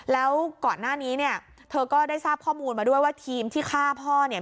แล้วก่อนหน้านี้เนี่ยเธอก็ได้ทราบข้อมูลมาด้วยว่าทีมที่ฆ่าพ่อเนี่ย